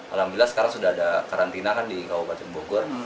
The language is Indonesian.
alhamdulillah sekarang sudah ada karantina kan di kabupaten bogor